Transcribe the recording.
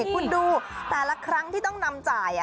คุณดูแต่ละครั้งที่ต้องนำจ่าย